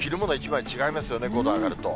１枚違いますよね、５度上がると。